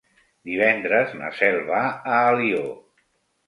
Divendres na Cel va a Alió.